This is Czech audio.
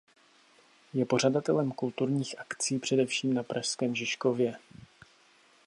Je pořadatelem kulturních akcí především na pražském Žižkově.